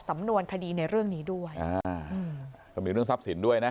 สำนวนคดีในเรื่องนี้ด้วยอ่าก็มีเรื่องทรัพย์สินด้วยนะ